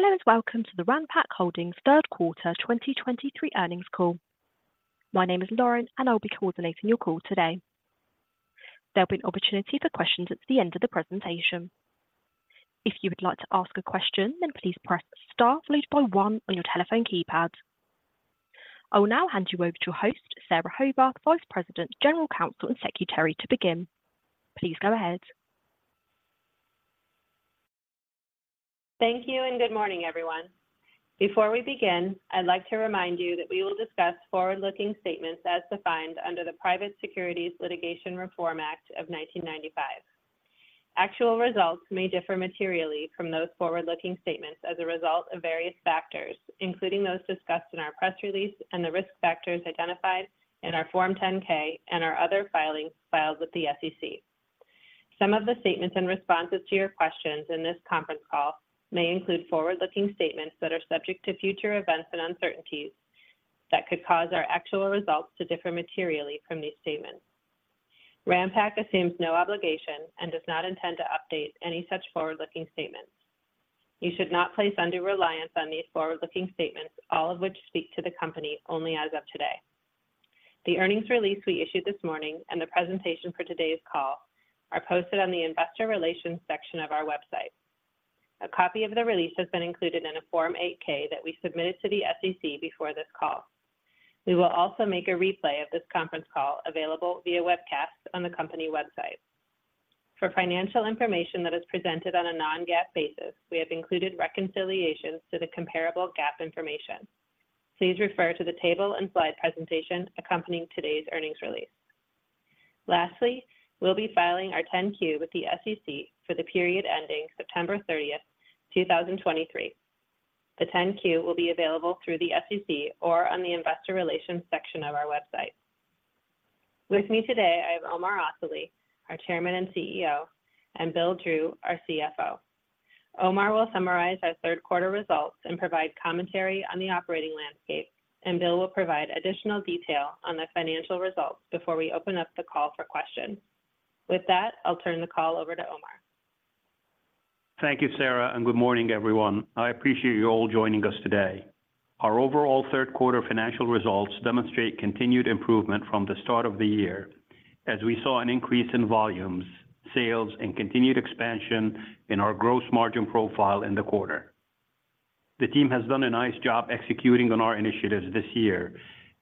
Hello, and welcome to the Ranpak Holdings third quarter 2023 earnings call. My name is Lauren, and I'll be coordinating your call today. There'll be an opportunity for questions at the end of the presentation. If you would like to ask a question, then please press star followed by one on your telephone keypad. I will now hand you over to your host, Sara Horvath, Vice President, General Counsel, and Secretary, to begin. Please go ahead. Thank you, and good morning, everyone. Before we begin, I'd like to remind you that we will discuss forward-looking statements as defined under the Private Securities Litigation Reform Act of 1995. Actual results may differ materially from those forward-looking statements as a result of various factors, including those discussed in our press release and the risk factors identified in our Form 10-K and our other filings filed with the SEC. Some of the statements and responses to your questions in this conference call may include forward-looking statements that are subject to future events and uncertainties that could cause our actual results to differ materially from these statements. Ranpak assumes no obligation and does not intend to update any such forward-looking statements. You should not place undue reliance on these forward-looking statements, all of which speak to the company only as of today. The earnings release we issued this morning and the presentation for today's call are posted on the investor relations section of our website. A copy of the release has been included in a Form 8-K that we submitted to the SEC before this call. We will also make a replay of this conference call available via webcast on the company website. For financial information that is presented on a non-GAAP basis, we have included reconciliations to the comparable GAAP information. Please refer to the table and slide presentation accompanying today's earnings release. Lastly, we'll be filing our 10-Q with the SEC for the period ending September 30, 2023. The 10-Q will be available through the SEC or on the investor relations section of our website. With me today, I have Omar Asali, our Chairman and CEO, and Bill Drew, our CFO. Omar will summarize our third quarter results and provide commentary on the operating landscape, and Bill will provide additional detail on the financial results before we open up the call for questions. With that, I'll turn the call over to Omar. Thank you, Sara, and good morning, everyone. I appreciate you all joining us today. Our overall third quarter financial results demonstrate continued improvement from the start of the year, as we saw an increase in volumes, sales, and continued expansion in our gross margin profile in the quarter. The team has done a nice job executing on our initiatives this year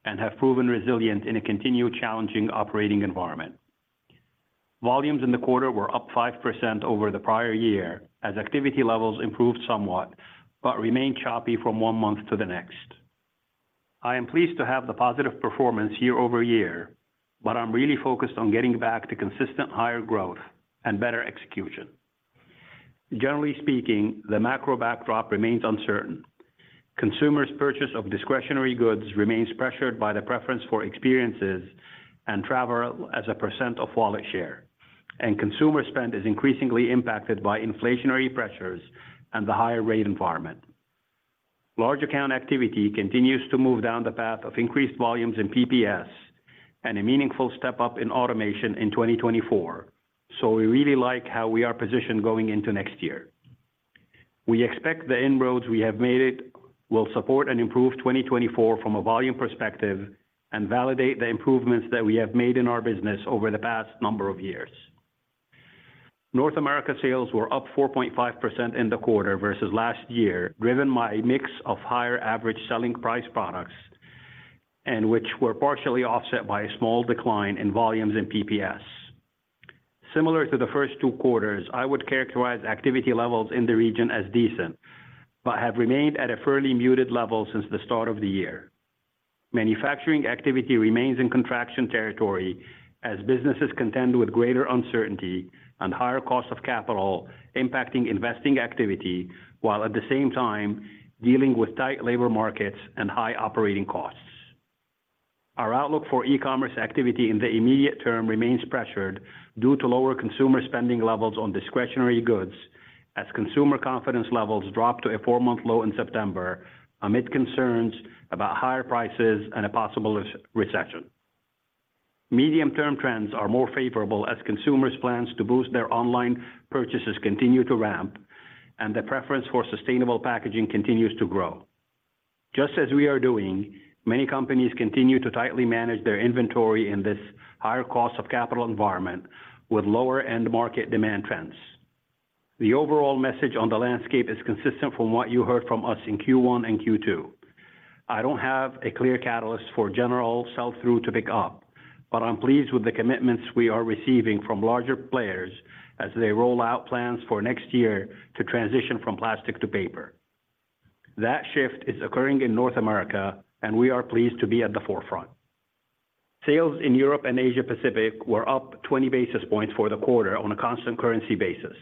and have proven resilient in a continued challenging operating environment. Volumes in the quarter were up 5% over the prior year, as activity levels improved somewhat, but remained choppy from one month to the next. I am pleased to have the positive performance year-over-year, but I'm really focused on getting back to consistent higher growth and better execution. Generally speaking, the macro backdrop remains uncertain. Consumers' purchase of discretionary goods remains pressured by the preference for experiences and travel as a percent of wallet share, and consumer spend is increasingly impacted by inflationary pressures and the higher rate environment. Large account activity continues to move down the path of increased volumes in PPS and a meaningful step up in automation in 2024. So we really like how we are positioned going into next year. We expect the inroads we have made it will support and improve 2024 from a volume perspective and validate the improvements that we have made in our business over the past number of years. North America sales were up 4.5% in the quarter versus last year, driven by a mix of higher average selling price products and which were partially offset by a small decline in volumes in PPS. Similar to the first two quarters, I would characterize activity levels in the region as decent, but have remained at a fairly muted level since the start of the year. Manufacturing activity remains in contraction territory as businesses contend with greater uncertainty and higher costs of capital impacting investing activity, while at the same time dealing with tight labor markets and high operating costs. Our outlook for e-commerce activity in the immediate term remains pressured due to lower consumer spending levels on discretionary goods, as consumer confidence levels dropped to a four-month low in September amid concerns about higher prices and a possible recession. Medium-term trends are more favorable as consumers' plans to boost their online purchases continue to ramp, and the preference for sustainable packaging continues to grow. Just as we are doing, many companies continue to tightly manage their inventory in this higher cost of capital environment with lower end market demand trends. The overall message on the landscape is consistent from what you heard from us in Q1 and Q2. I don't have a clear catalyst for general sell-through to pick up, but I'm pleased with the commitments we are receiving from larger players as they roll out plans for next year to transition from plastic to paper. That shift is occurring in North America, and we are pleased to be at the forefront. Sales in Europe and Asia Pacific were up 20 basis points for the quarter on a constant currency basis.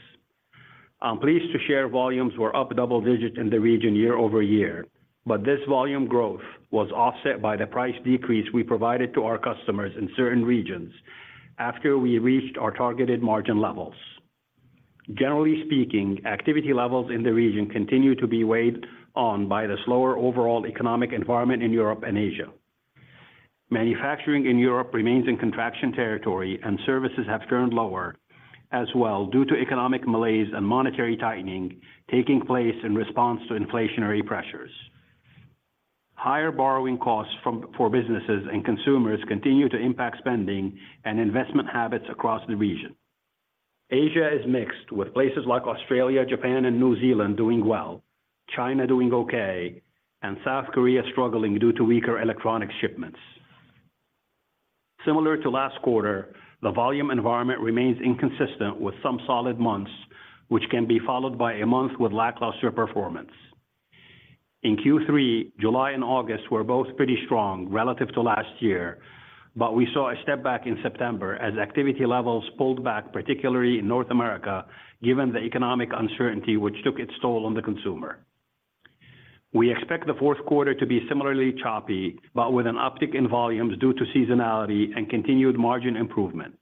I'm pleased to share volumes were up double digits in the region year-over-year, but this volume growth was offset by the price decrease we provided to our customers in certain regions after we reached our targeted margin levels. Generally speaking, activity levels in the region continue to be weighed on by the slower overall economic environment in Europe and Asia... Manufacturing in Europe remains in contraction territory, and services have turned lower as well due to economic malaise and monetary tightening taking place in response to inflationary pressures. Higher borrowing costs for businesses and consumers continue to impact spending and investment habits across the region. Asia is mixed, with places like Australia, Japan, and New Zealand doing well, China doing okay, and South Korea struggling due to weaker electronic shipments. Similar to last quarter, the volume environment remains inconsistent, with some solid months, which can be followed by a month with lackluster performance. In Q3, July and August were both pretty strong relative to last year, but we saw a step back in September as activity levels pulled back, particularly in North America, given the economic uncertainty which took its toll on the consumer. We expect the fourth quarter to be similarly choppy, but with an uptick in volumes due to seasonality and continued margin improvement.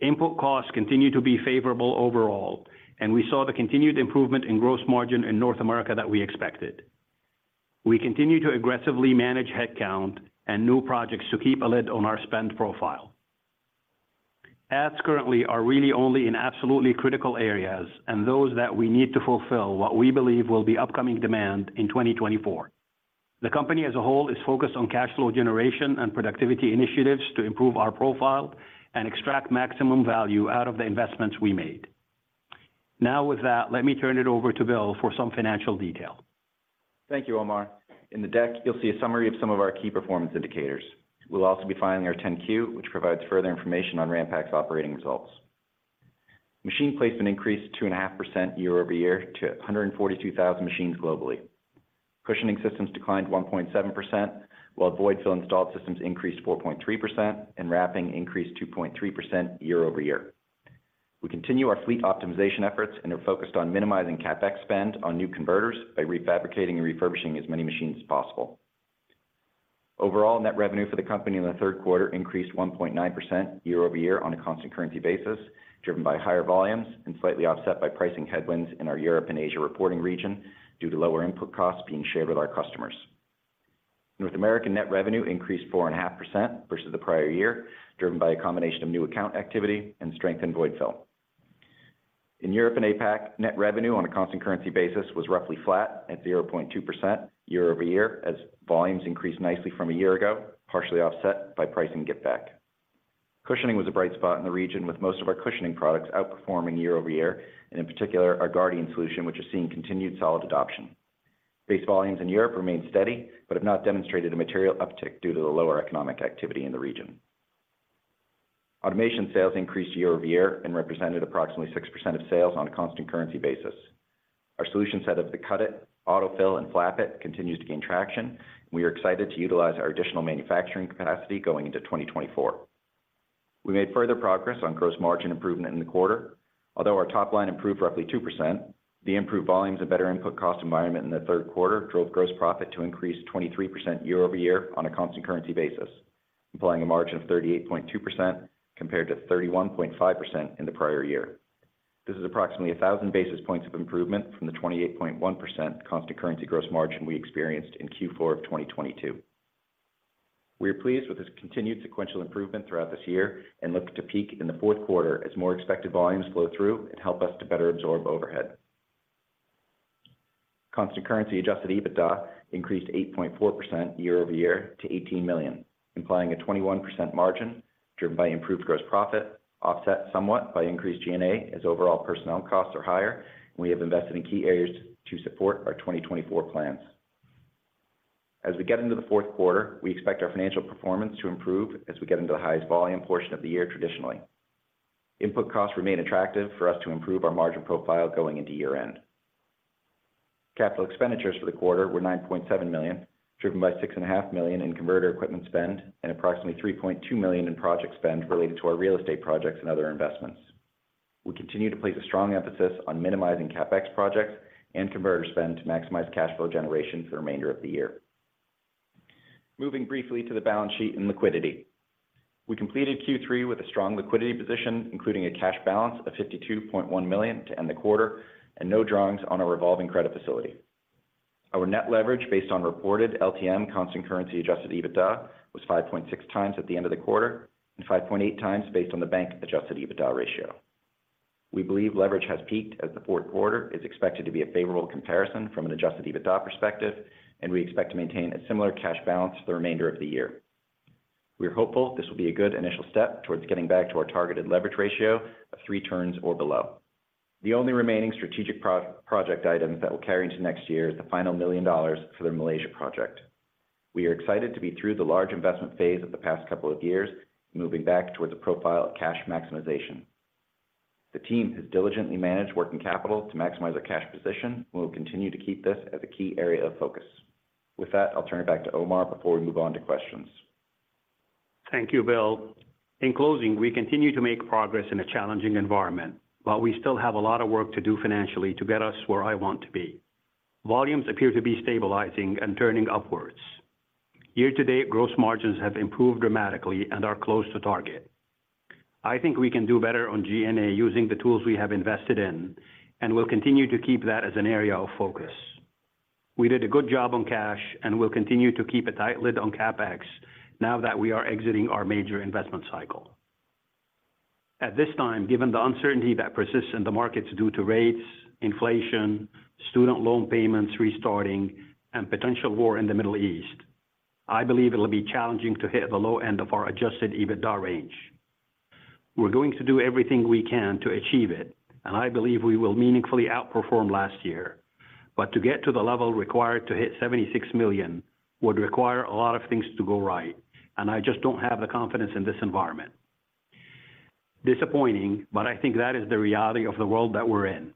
Input costs continue to be favorable overall, and we saw the continued improvement in gross margin in North America that we expected. We continue to aggressively manage headcount and new projects to keep a lid on our spend profile. Adds currently are really only in absolutely critical areas and those that we need to fulfill what we believe will be upcoming demand in 2024. The company as a whole is focused on cash flow generation and productivity initiatives to improve our profile and extract maximum value out of the investments we made. Now, with that, let me turn it over to Bill for some financial detail. Thank you, Omar. In the deck, you'll see a summary of some of our key performance indicators. We'll also be filing our 10-Q, which provides further information on Ranpak's operating results. Machine placement increased 2.5% year-over-year to 142,000 machines globally. Cushioning systems declined 1.7%, while void fill installed systems increased 4.3%, and wrapping increased 2.3% year-over-year. We continue our fleet optimization efforts and are focused on minimizing CapEx spend on new converters by refabricating and refurbishing as many machines as possible. Overall, net revenue for the company in the third quarter increased 1.9% year-over-year on a constant currency basis, driven by higher volumes and slightly offset by pricing headwinds in our Europe and Asia reporting region due to lower input costs being shared with our customers. North American net revenue increased 4.5% versus the prior year, driven by a combination of new account activity and strength in void fill. In Europe and APAC, net revenue on a constant currency basis was roughly flat at 0.2% year-over-year as volumes increased nicely from a year ago, partially offset by pricing give back. Cushioning was a bright spot in the region, with most of our cushioning products outperforming year-over-year, and in particular, our Guardian solution, which is seeing continued solid adoption. Base volumes in Europe remain steady, but have not demonstrated a material uptick due to the lower economic activity in the region. Automation sales increased year-over-year and represented approximately 6% of sales on a constant currency basis. Our solution set of the Cut'it!, AutoFill, and Flap'it! continues to gain traction. We are excited to utilize our additional manufacturing capacity going into 2024. We made further progress on gross margin improvement in the quarter. Although our top line improved roughly 2%, the improved volumes and better input cost environment in the third quarter drove gross profit to increase 23% year-over-year on a constant currency basis, implying a margin of 38.2% compared to 31.5% in the prior year. This is approximately 1,000 basis points of improvement from the 28.1% constant currency gross margin we experienced in Q4 of 2022. We are pleased with this continued sequential improvement throughout this year and look to peak in the fourth quarter as more expected volumes flow through and help us to better absorb overhead. Constant currency adjusted EBITDA increased 8.4% year-over-year to $18 million, implying a 21% margin driven by improved gross profit, offset somewhat by increased G&A as overall personnel costs are higher, and we have invested in key areas to support our 2024 plans. As we get into the fourth quarter, we expect our financial performance to improve as we get into the highest volume portion of the year traditionally. Input costs remain attractive for us to improve our margin profile going into year-end. Capital expenditures for the quarter were $9.7 million, driven by $6.5 million in converter equipment spend and approximately $3.2 million in project spend related to our real estate projects and other investments. We continue to place a strong emphasis on minimizing CapEx projects and converter spend to maximize cash flow generation for the remainder of the year. Moving briefly to the balance sheet and liquidity. We completed Q3 with a strong liquidity position, including a cash balance of $52.1 million to end the quarter and no drawings on our revolving credit facility. Our net leverage, based on reported LTM constant currency adjusted EBITDA, was 5.6x at the end of the quarter and 5.8x based on the bank-adjusted EBITDA ratio. We believe leverage has peaked as the fourth quarter is expected to be a favorable comparison from an Adjusted EBITDA perspective, and we expect to maintain a similar cash balance for the remainder of the year. We are hopeful this will be a good initial step towards getting back to our targeted leverage ratio of three turns or below. The only remaining strategic project item that will carry into next year is the final $1 million for the Malaysia project. We are excited to be through the large investment phase of the past couple of years, moving back towards a profile of cash maximization. The team has diligently managed working capital to maximize our cash position. We will continue to keep this as a key area of focus. With that, I'll turn it back to Omar before we move on to questions. Thank you, Bill. In closing, we continue to make progress in a challenging environment, but we still have a lot of work to do financially to get us where I want to be. Volumes appear to be stabilizing and turning upwards. Year-to-date, gross margins have improved dramatically and are close to target.... I think we can do better on G&A using the tools we have invested in, and we'll continue to keep that as an area of focus. We did a good job on cash, and we'll continue to keep a tight lid on CapEx now that we are exiting our major investment cycle. At this time, given the uncertainty that persists in the markets due to rates, inflation, student loan payments restarting, and potential war in the Middle East, I believe it'll be challenging to hit the low end of our Adjusted EBITDA range. We're going to do everything we can to achieve it, and I believe we will meaningfully outperform last year. But to get to the level required to hit $76 million would require a lot of things to go right, and I just don't have the confidence in this environment. Disappointing, but I think that is the reality of the world that we're in.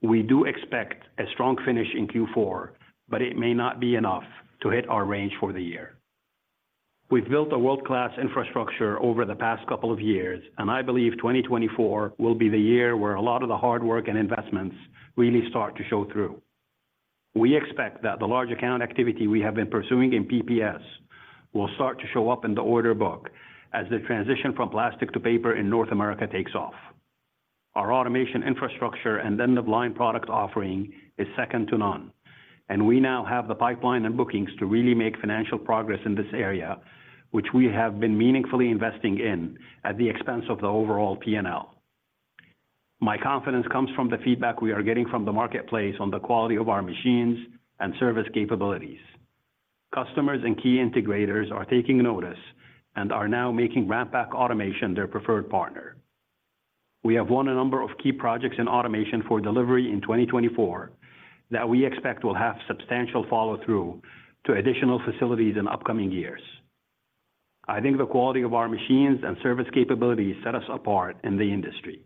We do expect a strong finish in Q4, but it may not be enough to hit our range for the year. We've built a world-class infrastructure over the past couple of years, and I believe 2024 will be the year where a lot of the hard work and investments really start to show through. We expect that the large account activity we have been pursuing in PPS will start to show up in the order book as the transition from plastic to paper in North America takes off. Our automation infrastructure and end-of-line product offering is second to none, and we now have the pipeline and bookings to really make financial progress in this area, which we have been meaningfully investing in at the expense of the overall P&L. My confidence comes from the feedback we are getting from the marketplace on the quality of our machines and service capabilities. Customers and key integrators are taking notice and are now making Ranpak Automation their preferred partner. We have won a number of key projects in automation for delivery in 2024, that we expect will have substantial follow-through to additional facilities in upcoming years. I think the quality of our machines and service capabilities set us apart in the industry.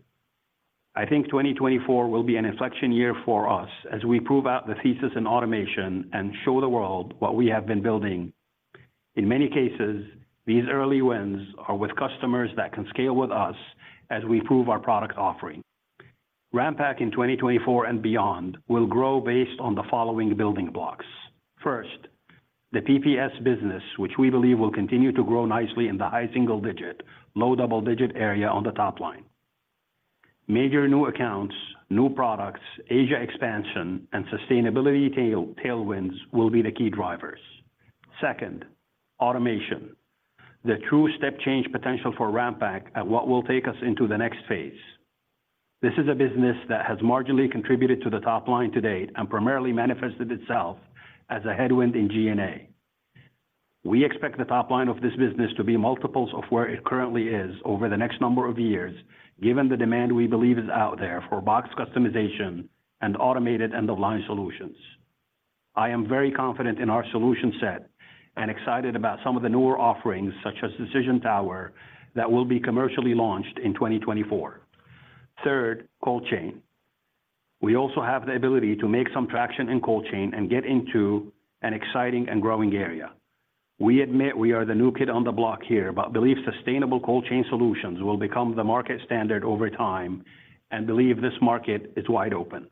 I think 2024 will be an inflection year for us as we prove out the thesis in automation and show the world what we have been building. In many cases, these early wins are with customers that can scale with us as we prove our product offering. Ranpak in 2024 and beyond will grow based on the following building blocks: First, the PPS business, which we believe will continue to grow nicely in the high single-digit, low double-digit area on the top line. Major new accounts, new products, Asia expansion, and sustainability tailwinds will be the key drivers. Second, automation. The true step change potential for Ranpak and what will take us into the next phase. This is a business that has marginally contributed to the top line to date and primarily manifested itself as a headwind in G&A. We expect the top line of this business to be multiples of where it currently is over the next number of years, given the demand we believe is out there for box customization and automated end-of-line solutions. I am very confident in our solution set and excited about some of the newer offerings, such as Decision Tower, that will be commercially launched in 2024. Third, cold chain. We also have the ability to make some traction in cold chain and get into an exciting and growing area. We admit we are the new kid on the block here, but believe sustainable cold chain solutions will become the market standard over time and believe this market is wide open.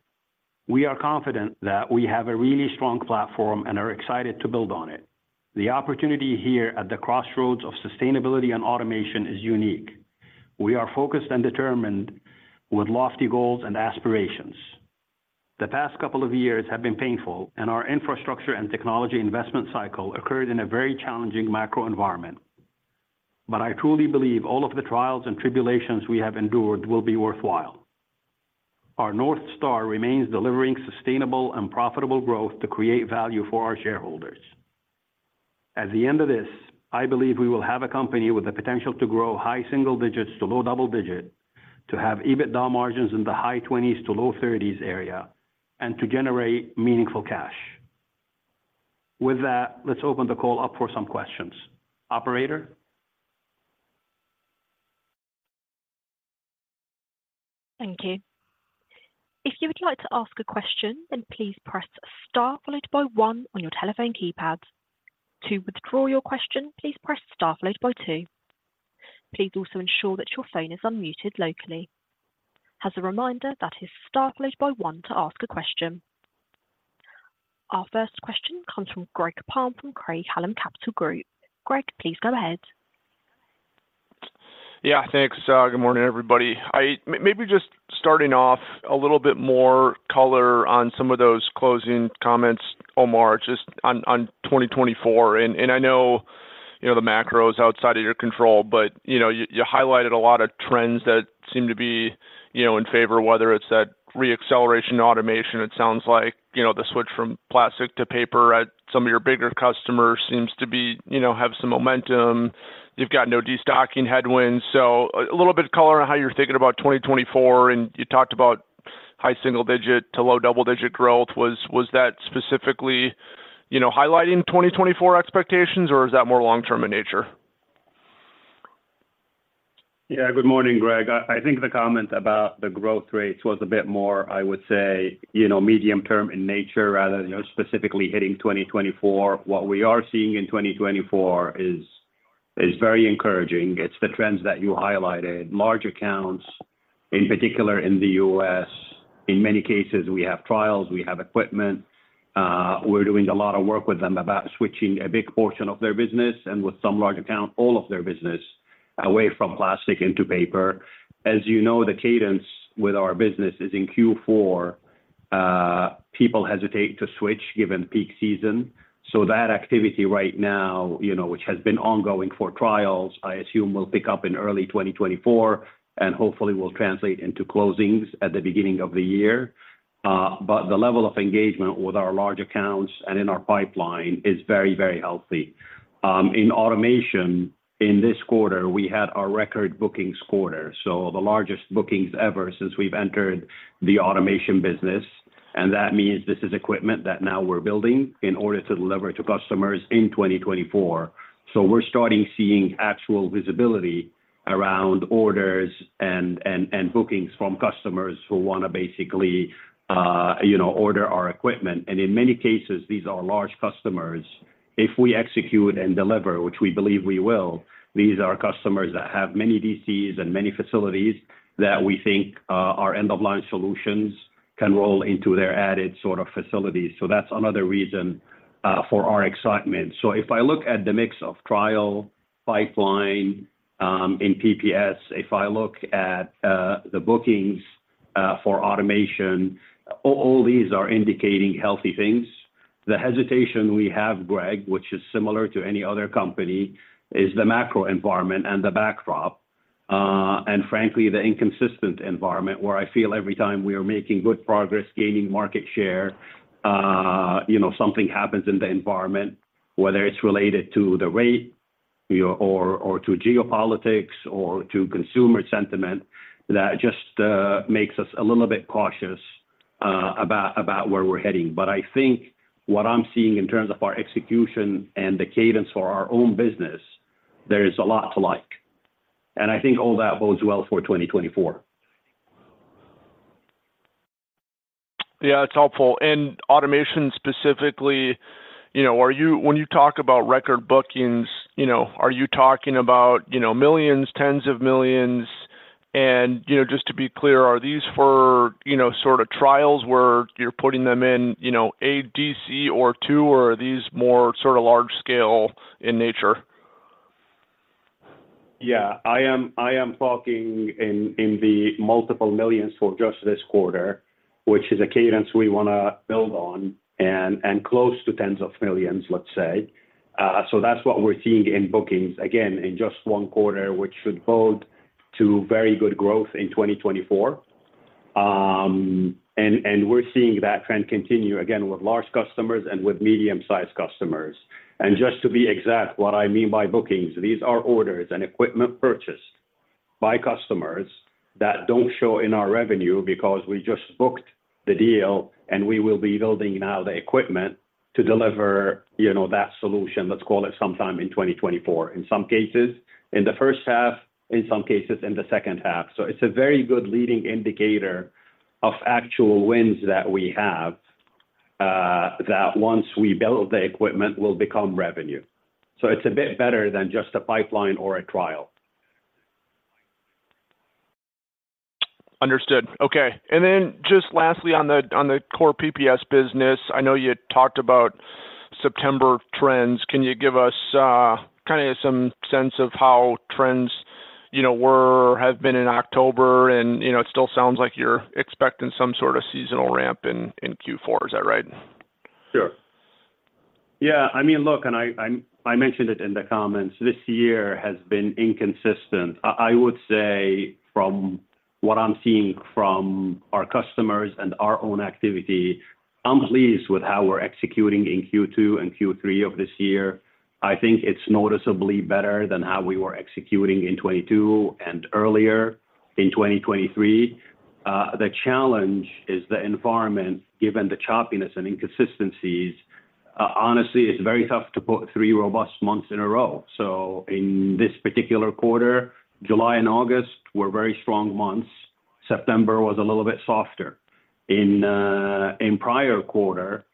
We are confident that we have a really strong platform and are excited to build on it. The opportunity here at the crossroads of sustainability and automation is unique. We are focused and determined with lofty goals and aspirations. The past couple of years have been painful, and our infrastructure and technology investment cycle occurred in a very challenging macro environment. But I truly believe all of the trials and tribulations we have endured will be worthwhile. Our North Star remains delivering sustainable and profitable growth to create value for our shareholders. At the end of this, I believe we will have a company with the potential to grow high single digits to low double digits, to have EBITDA margins in the high 20s%-low 30s area, and to generate meaningful cash. With that, let's open the call up for some questions. Operator? Thank you. If you would like to ask a question, then please press star followed by one on your telephone keypad. To withdraw your question, please press star followed by two. Please also ensure that your phone is unmuted locally. As a reminder, that is star followed by one to ask a question. Our first question comes from Greg Palm from Craig-Hallum Capital Group. Greg, please go ahead. Yeah, thanks. Good morning, everybody. I maybe just starting off a little bit more color on some of those closing comments, Omar, just on 2024. And I know, you know, the macro is outside of your control, but you know, you highlighted a lot of trends that seem to be, you know, in favor, whether it's that re-acceleration automation, it sounds like, you know, the switch from plastic to paper at some of your bigger customers seems to be, you know, have some momentum. You've got no destocking headwinds. So a little bit of color on how you're thinking about 2024, and you talked about high single-digit to low double-digit growth. Was that specifically, you know, highlighting 2024 expectations, or is that more long-term in nature? Yeah. Good morning, Greg. I think the comment about the growth rates was a bit more, I would say, you know, medium term in nature rather than, you know, specifically hitting 2024. What we are seeing in 2024 is very encouraging. It's the trends that you highlighted, large accounts, in particular, in the U.S., in many cases, we have trials, we have equipment, we're doing a lot of work with them about switching a big portion of their business, and with some large account, all of their business away from plastic into paper. As you know, the cadence with our business is in Q4. People hesitate to switch given peak season, so that activity right now, you know, which has been ongoing for trials, I assume, will pick up in early 2024, and hopefully will translate into closings at the beginning of the year. But the level of engagement with our large accounts and in our pipeline is very, very healthy. In automation, in this quarter, we had our record bookings quarter, so the largest bookings ever since we've entered the automation business, and that means this is equipment that now we're building in order to deliver to customers in 2024. So we're starting seeing actual visibility around orders and bookings from customers who wanna basically, you know, order our equipment. And in many cases, these are large customers. If we execute and deliver, which we believe we will, these are customers that have many DCs and many facilities that we think our end-of-line solutions can roll into their added sort of facilities. So that's another reason for our excitement. So if I look at the mix of trial pipeline in PPS, if I look at the bookings for automation, all these are indicating healthy things. The hesitation we have, Greg, which is similar to any other company, is the macro environment and the backdrop, and frankly, the inconsistent environment, where I feel every time we are making good progress, gaining market share, you know, something happens in the environment, whether it's related to the rate, or to geopolitics, or to consumer sentiment. That just makes us a little bit cautious about where we're heading. I think what I'm seeing in terms of our execution and the cadence for our own business, there is a lot to like. I think all that bodes well for 2024. Yeah, it's helpful. And automation specifically, you know, are you, when you talk about record bookings, you know, are you talking about, you know, millions, tens of millions? And, you know, just to be clear, are these for, you know, sort of trials where you're putting them in, you know, a DC or two, or are these more sort of large scale in nature? Yeah, I am talking in the multiple millions for just this quarter, which is a cadence we wanna build on and close to tens of millions, let's say. So that's what we're seeing in bookings, again, in just one quarter, which should bode to very good growth in 2024. And we're seeing that trend continue, again, with large customers and with medium-sized customers. And just to be exact, what I mean by bookings, these are orders and equipment purchased by customers that don't show in our revenue because we just booked the deal, and we will be building now the equipment to deliver, you know, that solution, let's call it sometime in 2024. In some cases, in the first half, in some cases, in the second half. So it's a very good leading indicator of actual wins that we have, that once we build the equipment, will become revenue. So it's a bit better than just a pipeline or a trial. Understood. Okay, and then just lastly, on the core PPS business, I know you talked about September trends. Can you give us kinda some sense of how trends, you know, were or have been in October? And, you know, it still sounds like you're expecting some sort of seasonal ramp in Q4. Is that right? Sure. Yeah, I mean, look, I mentioned it in the comments. This year has been inconsistent. I would say from what I'm seeing from our customers and our own activity, I'm pleased with how we're executing in Q2 and Q3 of this year. I think it's noticeably better than how we were executing in 2022 and earlier in 2023. The challenge is the environment, given the choppiness and inconsistencies. Honestly, it's very tough to put three robust months in a row. So in this particular quarter, July and August were very strong months. September was a little bit softer. In prior quarter,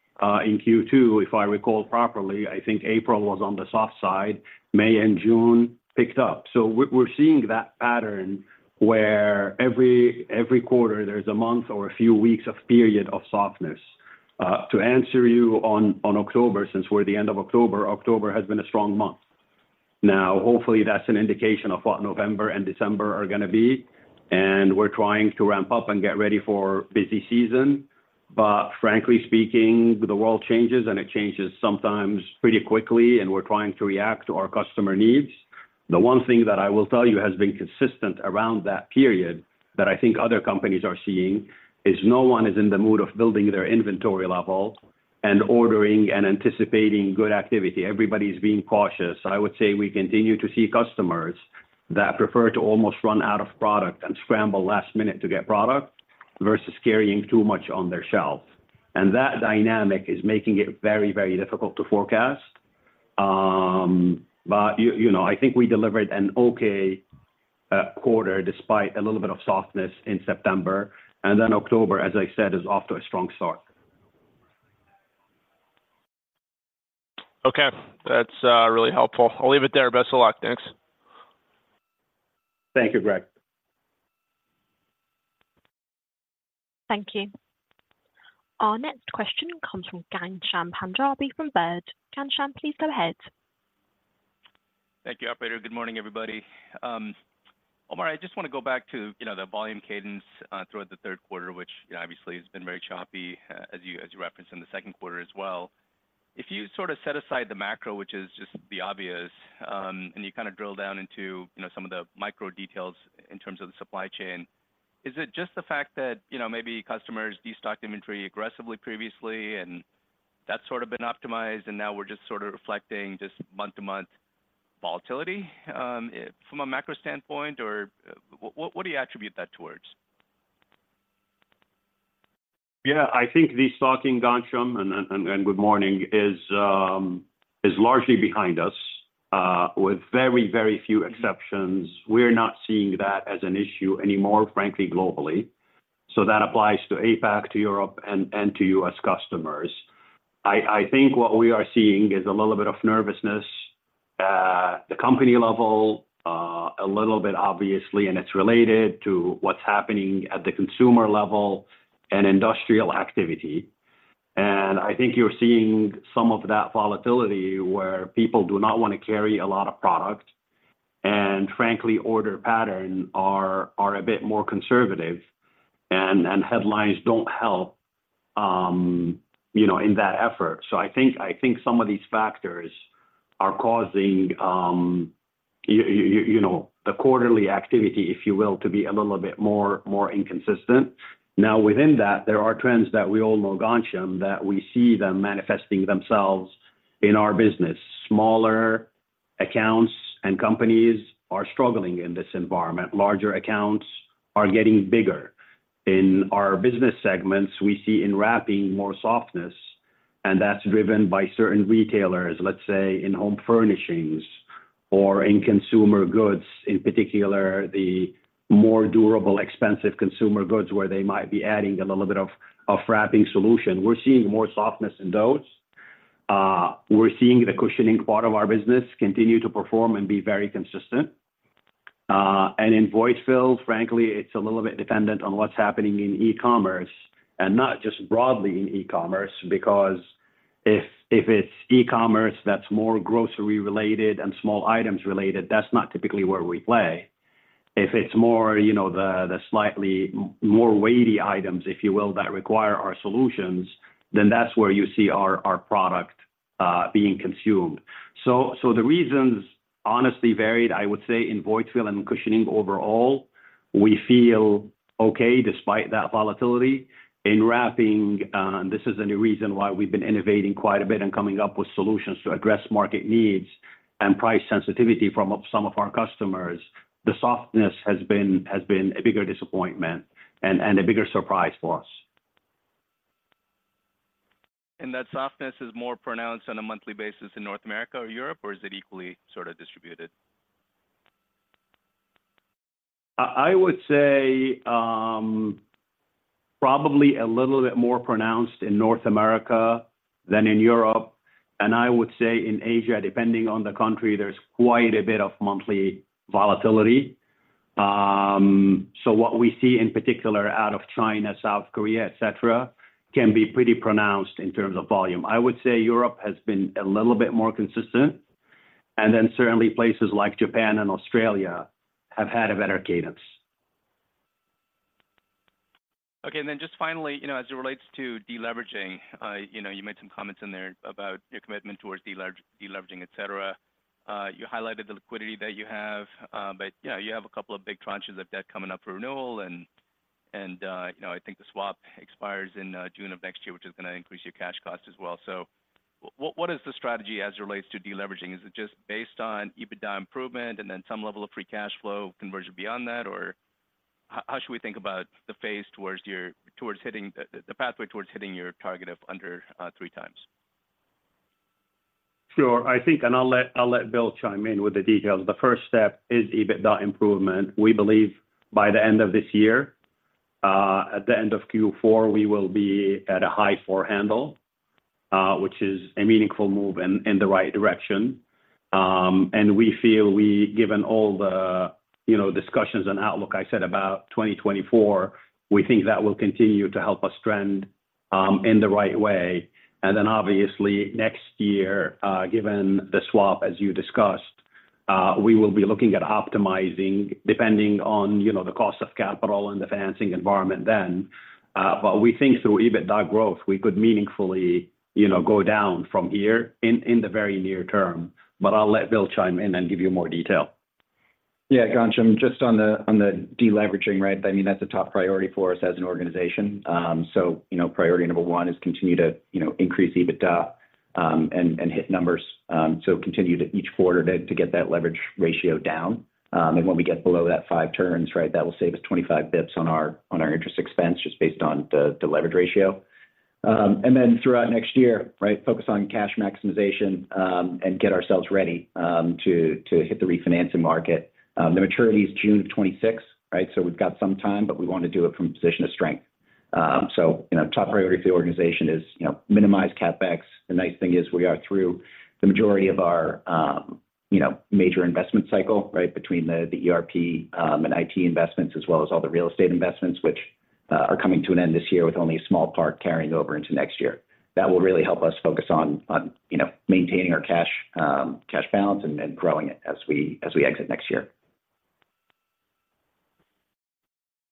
in Q2, if I recall properly, I think April was on the soft side. May and June picked up. So we're seeing that pattern, where every quarter there's a month or a few weeks of period of softness. To answer you on October, since we're at the end of October, October has been a strong month. Now, hopefully, that's an indication of what November and December are gonna be, and we're trying to ramp up and get ready for busy season. But frankly speaking, the world changes, and it changes sometimes pretty quickly, and we're trying to react to our customer needs. The one thing that I will tell you has been consistent around that period, that I think other companies are seeing, is no one is in the mood of building their inventory level and ordering and anticipating good activity. Everybody's being cautious. I would say we continue to see customers that prefer to almost run out of product and scramble last minute to get product, versus carrying too much on their shelves. That dynamic is making it very, very difficult to forecast. But you know, I think we delivered an okay quarter, despite a little bit of softness in September, and then October, as I said, is off to a strong start. ... Okay, that's really helpful. I'll leave it there. Best of luck. Thanks. Thank you, Greg. Thank you. Our next question comes from Ghansham Panjabi from Baird. Ghansham, please go ahead. Thank you, operator. Good morning, everybody. Omar, I just want to go back to, you know, the volume cadence throughout the third quarter, which obviously has been very choppy, as you referenced in the second quarter as well. If you sort of set aside the macro, which is just the obvious, and you kind of drill down into, you know, some of the micro details in terms of the supply chain, is it just the fact that, you know, maybe customers destocked inventory aggressively previously, and that's sort of been optimized, and now we're just sort of reflecting just month-to-month volatility from a macro standpoint, or what do you attribute that towards? Yeah, I think destocking, Ghansham, and good morning, is largely behind us, with very, very few exceptions. We're not seeing that as an issue anymore, frankly, globally. So that applies to APAC, to Europe, and to U.S. customers. I think what we are seeing is a little bit of nervousness at the company level, a little bit obviously, and it's related to what's happening at the consumer level and industrial activity. And I think you're seeing some of that volatility where people do not want to carry a lot of product, and frankly, order pattern are a bit more conservative and headlines don't help, you know, in that effort. So I think some of these factors are causing, you know, the quarterly activity, if you will, to be a little bit more inconsistent. Now, within that, there are trends that we all know, Ghansham, that we see them manifesting themselves in our business. Smaller accounts and companies are struggling in this environment. Larger accounts are getting bigger. In our business segments, we see in wrapping more softness, and that's driven by certain retailers, let's say in home furnishings or in consumer goods, in particular, the more durable, expensive consumer goods, where they might be adding a little bit of wrapping solution. We're seeing more softness in those. We're seeing the cushioning part of our business continue to perform and be very consistent. And in void fill, frankly, it's a little bit dependent on what's happening in e-commerce, and not just broadly in e-commerce, because if it's e-commerce that's more grocery related and small items related, that's not typically where we play. If it's more, you know, the slightly more weighty items, if you will, that require our solutions, then that's where you see our product being consumed. So the reasons honestly varied. I would say in void fill and cushioning overall, we feel okay despite that volatility. In wrapping, this is a new reason why we've been innovating quite a bit and coming up with solutions to address market needs and price sensitivity from some of our customers. The softness has been a bigger disappointment and a bigger surprise for us. That softness is more pronounced on a monthly basis in North America or Europe, or is it equally sort of distributed? I would say, probably a little bit more pronounced in North America than in Europe, and I would say in Asia, depending on the country, there's quite a bit of monthly volatility. So what we see in particular out of China, South Korea, etc., can be pretty pronounced in terms of volume. I would say Europe has been a little bit more consistent, and then certainly places like Japan and Australia have had a better cadence. Okay, and then just finally, you know, as it relates to deleveraging, you know, you made some comments in there about your commitment towards deleveraging, etc. You highlighted the liquidity that you have, but, yeah, you have a couple of big tranches of debt coming up for renewal and, you know, I think the swap expires in June of next year, which is going to increase your cash cost as well. So what is the strategy as it relates to deleveraging? Is it just based on EBITDA improvement and then some level of free cash flow conversion beyond that, or how should we think about the phase towards hitting the pathway towards hitting your target of under 3x? Sure. I think, and I'll let Bill chime in with the details. The first step is EBITDA improvement. We believe by the end of this year, at the end of Q4, we will be at a high four handle, which is a meaningful move in the right direction. And we feel, given all the, you know, discussions on outlook, I said about 2024, we think that will continue to help us trend in the right way. And then obviously next year, given the swap, as you discussed, we will be looking at optimizing depending on, you know, the cost of capital and the financing environment then. But we think through EBITDA growth, we could meaningfully, you know, go down from here in the very near term, but I'll let Bill chime in and give you more detail. Yeah, Ghansham, just on the deleveraging, right? I mean, that's a top priority for us as an organization. So, you know, priority number one is continue to increase EBITDA, and hit numbers, so continue to each quarter to get that leverage ratio down. And when we get below that five turns, right, that will save us 25 basis points on our interest expense, just based on the leverage ratio. And then throughout next year, right, focus on cash maximization, and get ourselves ready to hit the refinancing market. The maturity is June of 2026, right? So we've got some time, but we want to do it from a position of strength. So, you know, top priority of the organization is minimize CapEx. The nice thing is we are through the majority of our you know major investment cycle, right? Between the ERP and IT investments, as well as all the real estate investments, which are coming to an end this year with only a small part carrying over into next year. That will really help us focus on you know maintaining our cash balance and then growing it as we exit next year.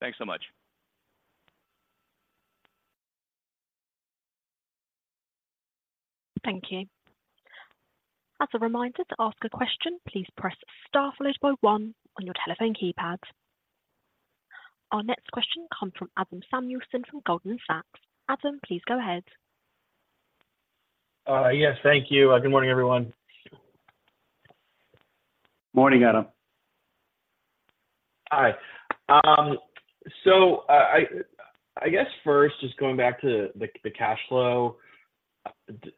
Thanks so much. Thank you. As a reminder, to ask a question, please press star followed by one on your telephone keypad. Our next question comes from Adam Samuelson from Goldman Sachs. Adam, please go ahead. Yes, thank you. Good morning, everyone. Morning, Adam. Hi. So I guess first, just going back to the cash flow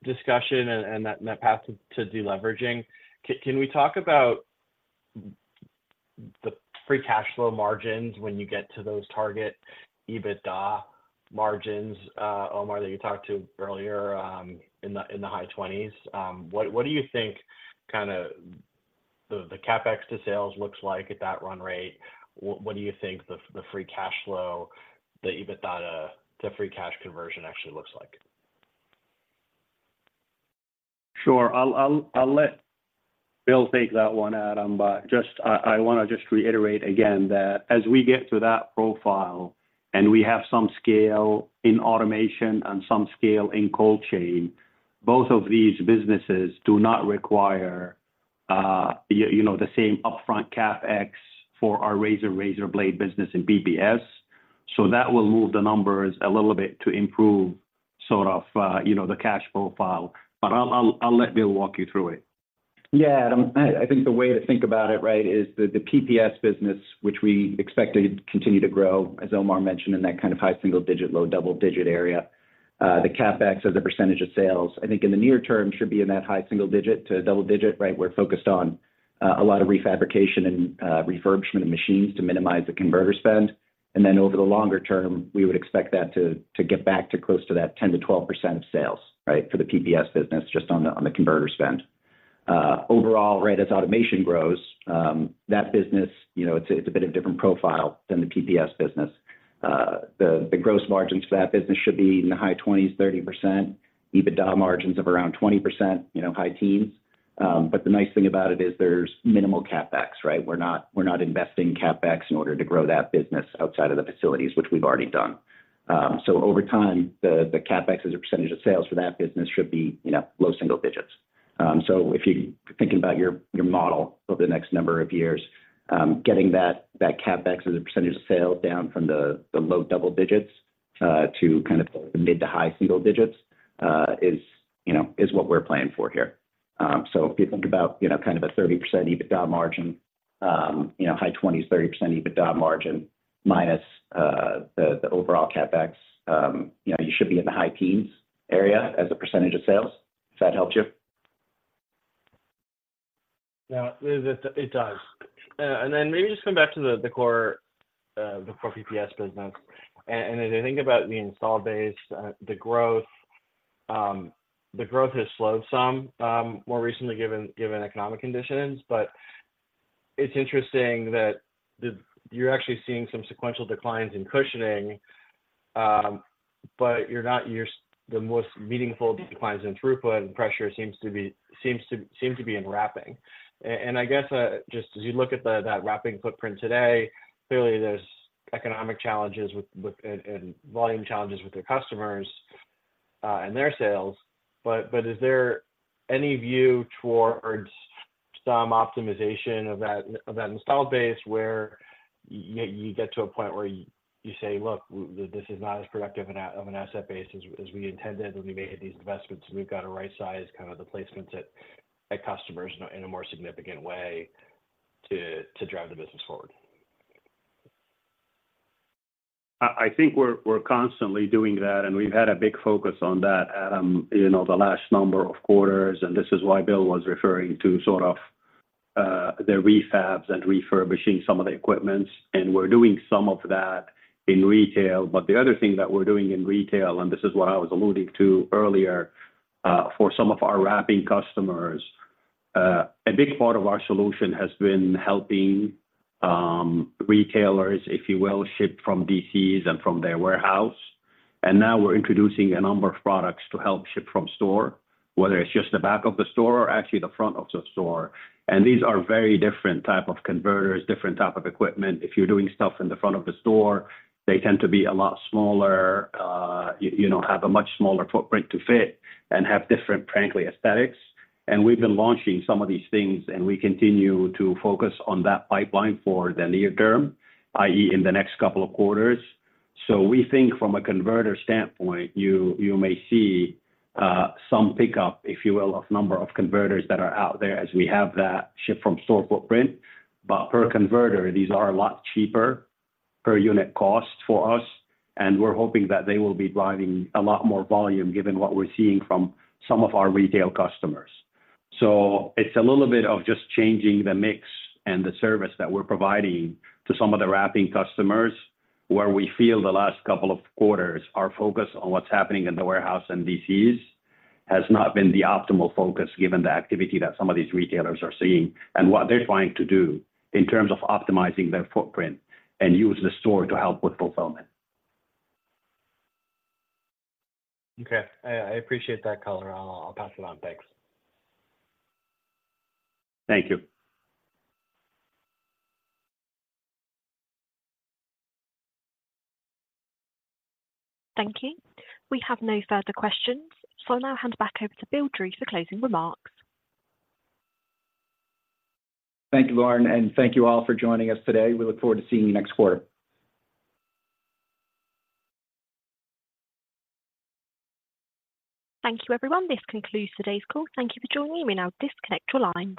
discussion and that path to deleveraging. Can we talk about the free cash flow margins when you get to those target EBITDA margins, Omar, that you talked to earlier, in the high 20s? What do you think kind of the CapEx to sales looks like at that run rate? What do you think the free cash flow, the EBITDA, the free cash conversion actually looks like? Sure. I'll let Bill take that one, Adam, but just... I wanna just reiterate again that as we get to that profile, and we have some scale in automation and some scale in cold chain, both of these businesses do not require, you know, the same upfront CapEx for our razor, razor blade business and PBS. So that will move the numbers a little bit to improve sort of, you know, the cash profile. But I'll let Bill walk you through it. Yeah, Adam, I think the way to think about it, right, is the PPS business, which we expect to continue to grow, as Omar mentioned, in that kind of high single-digit, low double-digit area. The CapEx as a percentage of sales, I think in the near term, should be in that high single-digit to double-digit, right? We're focused on a lot of refabrication and refurbishment of machines to minimize the converter spend. And then over the longer term, we would expect that to get back to close to that 10%-12% of sales, right, for the PPS business, just on the converter spend. Overall, right as automation grows, that business, you know, it's a bit of a different profile than the PPS business. The gross margins for that business should be in the high 20s, 30%. EBITDA margins of around 20%, you know, high teens. But the nice thing about it is there's minimal CapEx, right? We're not investing CapEx in order to grow that business outside of the facilities, which we've already done. So over time, the CapEx as a percentage of sales for that business should be, you know, low single digits. So if you're thinking about your model over the next number of years, getting that CapEx as a percentage of sale down from the low double digits to kind of the mid to high single digits is, you know, what we're planning for here. So if you think about, you know, kind of a 30% EBITDA margin, you know, high 20s, 30% EBITDA margin minus, the, the overall CapEx, you know, you should be in the high teens area as a percentage of sales, if that helps you. Yeah, it does. And then maybe just come back to the core PPS business. And as I think about the installed base, the growth has slowed some more recently given economic conditions. But it's interesting that the... You're actually seeing some sequential declines in cushioning, but you're not-- you're seeing the most meaningful declines in throughput and the pressure seems to be in wrapping. And I guess just as you look at that wrapping footprint today, clearly there's economic challenges with and volume challenges with your customers and their sales. But is there any view toward or some optimization of that installed base where you get to a point where you say: Look, this is not as productive an asset base as we intended when we made these investments, we've got to rightsize kind of the placements at customers in a more significant way to drive the business forward? I think we're constantly doing that, and we've had a big focus on that, Adam, you know, the last number of quarters, and this is why Bill was referring to sort of the refabs and refurbishing some of the equipment, and we're doing some of that in retail. But the other thing that we're doing in retail, and this is what I was alluding to earlier, for some of our wrapping customers, a big part of our solution has been helping retailers, if you will, ship from DCs and from their warehouse. And now we're introducing a number of products to help ship from store, whether it's just the back of the store or actually the front of the store. And these are very different type of converters, different type of equipment. If you're doing stuff in the front of the store, they tend to be a lot smaller, you know, have a much smaller footprint to fit and have different, frankly, aesthetics. And we've been launching some of these things, and we continue to focus on that pipeline for the near term, i.e., in the next couple of quarters. So we think from a converter standpoint, you may see some pickup, if you will, of number of converters that are out there as we have that ship from store footprint. But per converter, these are a lot cheaper per unit cost for us, and we're hoping that they will be driving a lot more volume, given what we're seeing from some of our retail customers. It's a little bit of just changing the mix and the service that we're providing to some of the wrapping customers, where we feel the last couple of quarters, our focus on what's happening in the warehouse and DCs has not been the optimal focus, given the activity that some of these retailers are seeing and what they're trying to do in terms of optimizing their footprint and use the store to help with fulfillment. Okay, I appreciate that color. I'll pass it on. Thanks. Thank you. Thank you. We have no further questions. So I'll now hand back over to Bill Drew for closing remarks. Thank you, Lauren, and thank you all for joining us today. We look forward to seeing you next quarter. Thank you, everyone. This concludes today's call. Thank you for joining me. We now disconnect your lines.